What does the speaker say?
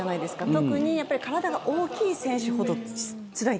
特に体が大きい選手ほどつらい。